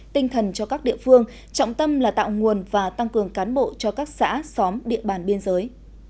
tinh thần cho các địa phương trọng tâm là tạo nguồn và tăng cường cán bộ cho các xã xóm địa bàn biên giới